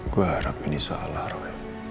gue harap ini salah roy